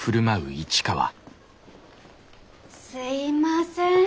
すいません